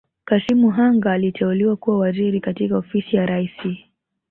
Kassim Hanga aliteuliwa kuwa Waziri katika Ofisi ya Rais